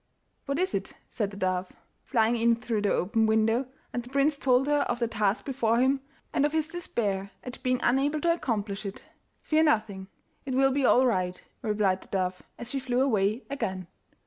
'What is it?' said the dove, flying in through the open window, and the prince told her of the task before him, and of his despair at being unable to accomplish it. 'Fear nothing; it will be all right,' replied the dove, as she flew away again.